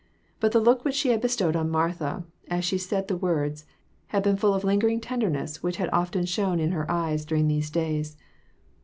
But the look which she had bestowed on Martha as she said the words, had been full of a lingering tenderness which often shone in her eyes during these days.